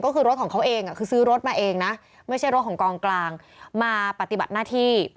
ก็คือรถของเขาเองคือซื้อรถมาเองนะไม่ใช่รถของกองกลางมาปฏิบัติหน้าที่